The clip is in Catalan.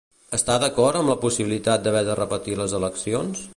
Està d'acord amb la possibilitat d'haver de repetir les eleccions?